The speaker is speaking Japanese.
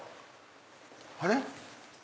あれ？